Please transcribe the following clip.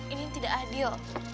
ini tidak adil